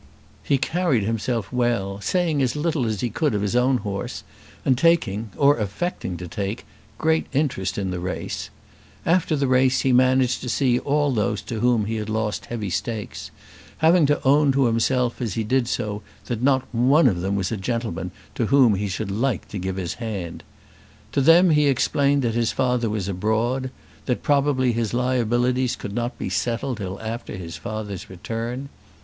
He carried himself well, saying as little as he could of his own horse, and taking, or affecting to take, great interest in the race. After the race he managed to see all those to whom he had lost heavy stakes, having to own to himself, as he did so, that not one of them was a gentleman to whom he should like to give his hand. To them he explained that his father was abroad, that probably his liabilities could not be settled till after his father's return.